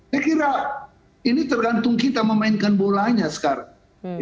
saya kira ini tergantung kita memainkan bolanya sekarang